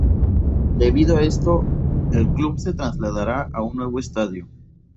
Debido a eso, el club se trasladará a un nuevo estadio.